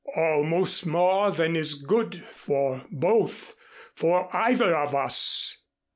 "Almost more than is good for both for either of us.